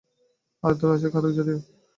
আরেক দল আছে খাদক জাতীয়।